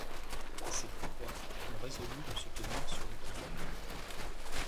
C’est pourquoi on résolut de se tenir sur le qui-vive.